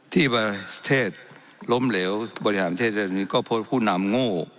ที่บริษัทเทศล้มเหลวบริษัทเทศนี้ก็พูดผู้นำโง่